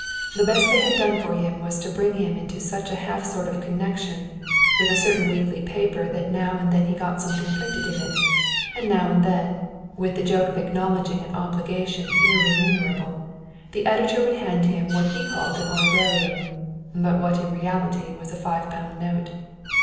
The best they had done for him was to bring him into such a half sort of connection with a certain weekly paper that now and then he got something printed in it, and now and then, with the joke of acknowledging an obligation irremunerable, the editor would hand him what he called an honorarium, but what in reality was a five pound note.